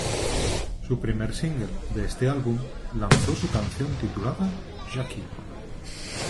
Su primer single de este álbum, lanzó su canción titulada "Jacky".